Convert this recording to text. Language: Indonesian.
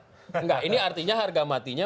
tidak ini artinya harga matinya